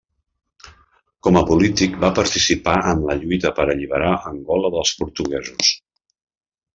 Com a polític, va participar en la lluita per alliberar Angola dels portuguesos.